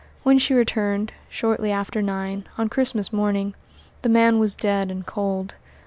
When she returned, shortly after nine, on Christmas morning, the man was dead and cold.